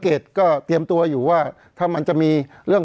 เพราะฉะนั้นประชาธิปไตยเนี่ยคือการยอมรับความเห็นที่แตกต่าง